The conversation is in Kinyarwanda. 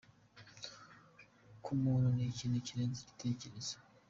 Ku muntu, ni ikintu kirenze ibitekerezo.